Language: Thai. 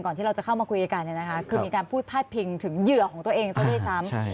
ที่เราจะเข้ามาคุยกันคือมีการพูดพาดพิงถึงเหยื่อของตัวเองซะด้วยซ้ำ